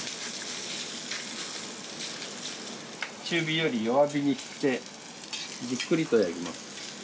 中火より弱火にしてじっくりとやります。